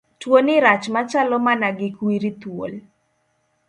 Tuoni rach machalo mana gi kwiri thuol.